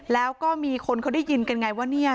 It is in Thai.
แล้วก็มีคนเขาได้ยินกันไงว่าเนี่ย